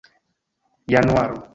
januaro